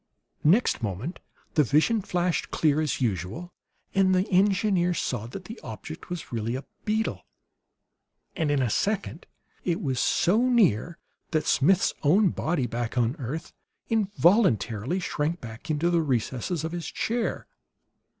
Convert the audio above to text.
Next moment the vision flashed clear, as usual, and the engineer saw that the object was really a beetle; and in a second it was so near that Smith's own body, back on the earth, involuntarily shrank back into the recesses of his chair.